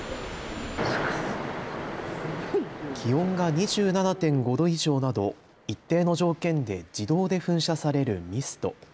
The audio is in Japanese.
気温が２７．５度以上など一定の条件で自動で噴射されるミスト。